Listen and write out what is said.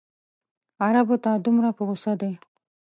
عربو ته دومره په غوسه دی.